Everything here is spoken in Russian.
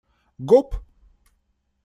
Гоп!